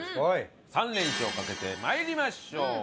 ３連勝をかけて参りましょう。